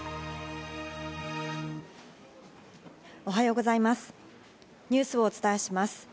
おはようございます。